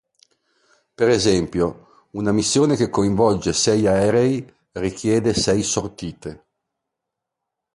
Per esempio: una missione che coinvolge sei aerei, richiede sei sortite.